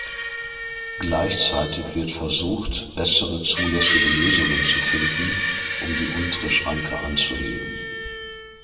Gleichzeitig wird versucht, bessere zulässige Lösungen zu finden, um die untere Schranke anzuheben.